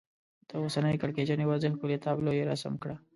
د اوسنۍ کړکېچنې وضعې ښکلې تابلو یې رسم کړه.